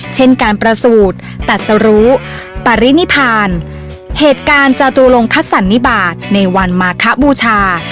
เช่นการประสูจน์ตัดสรุปรินิพานเหตุการณ์จตุลงคัดสรรนิบาทในวันมาคบูชา